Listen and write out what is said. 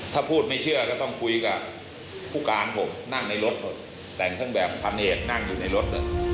ถ้าพูดไม่เชื่อก็ต้องคุยกับผู้การผมนั่งในรถหมดแต่งเครื่องแบบพันเอกนั่งอยู่ในรถเลย